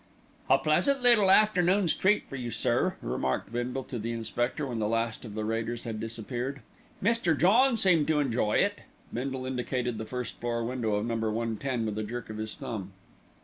"A pleasant little afternoon's treat for you, sir," remarked Bindle to the inspector, when the last of the raiders had disappeared. "Mr. John seemed to enjoy it." Bindle indicated the first floor window of Number 110, with a jerk of his thumb.